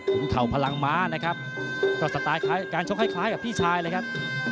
เข่าพลังม้านะครับก็สไตล์การชกคล้ายกับพี่ชายเลยครับ